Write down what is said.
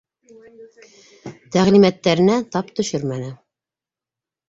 Тәғлимәттәренә тап төшөрмәне.